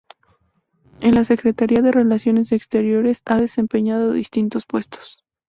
En la Secretaría de Relaciones Exteriores ha desempeñado distintos puestos.